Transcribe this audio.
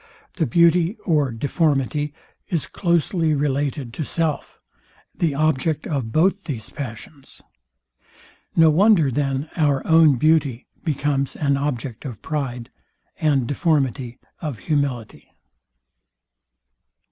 The beauty or deformity is closely related to self, the object of both these passions. No wonder, then our own beauty becomes an object of pride, and deformity of humility.